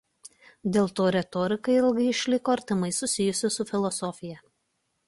Dėl to retorika ilgai išliko artimai susijusi su filosofija.